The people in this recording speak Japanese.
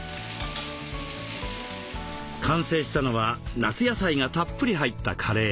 完成したのは夏野菜がたっぷり入ったカレー。